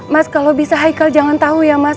mas kalau bisa hikal jangan tahu ya mas